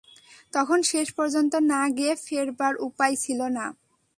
তখন শেষ পর্যন্ত না গিয়ে ফেরবার উপায় ছিল না।